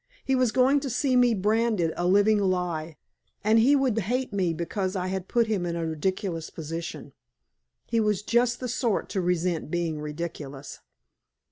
He was going to see me branded a living lie, and he would hate me because I had put him in a ridiculous position. He was just the sort to resent being ridiculous.